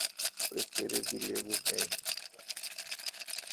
Prefere, vi legu mem.